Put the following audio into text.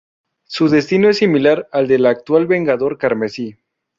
Su destino es similar al del actual Vengador Carmesí.